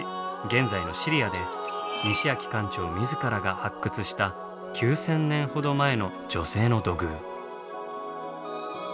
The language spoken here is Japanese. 現在のシリアで西秋館長自らが発掘した９，０００年ほど前の女性の土偶。